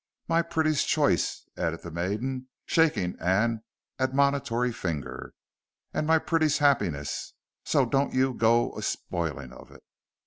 My pretty's chice," added the maiden, shaking an admonitory finger, "and my pretty's happiness, so don't you go a spilin' of it."